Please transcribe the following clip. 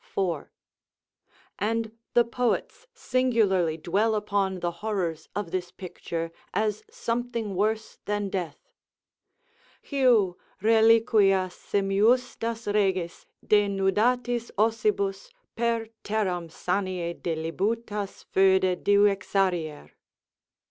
4.] and the poets singularly dwell upon the horrors of this picture, as something worse than death: "Heu! reliquias semiustas regis, denudatis ossibus, Per terram sanie delibutas foede divexarier."